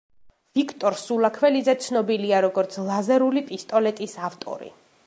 ვიქტორ სულაქველიძე ცნობილია, როგორც ლაზერული პისტოლეტის ავტორი.